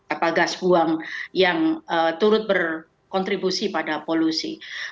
apa gas buang yang turut berkontribusi pada polusi